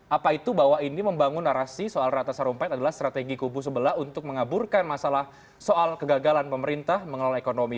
apa itu bahwa ini membangun narasi soal ratna sarumpait adalah strategi kubu sebelah untuk mengaburkan masalah soal kegagalan pemerintah mengelola ekonomi